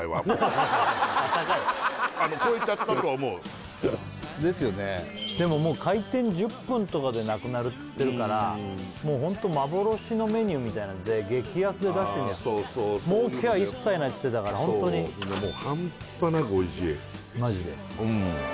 超えちゃったと思うですよねでももう開店１０分とかでなくなるっつってるからもうホント幻のメニューみたいなので激安で出してんじゃんそうそうそう儲けは一切ないっつってたからホントに半端なくおいしいうんマジで？